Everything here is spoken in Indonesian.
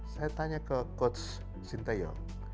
saya tanya ke coach sintayong